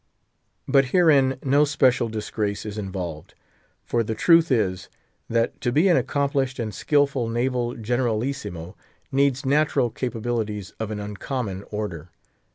But herein no special disgrace is involved. For the truth is, that to be an accomplished and skillful naval generalissimo needs natural capabilities of an uncommon order.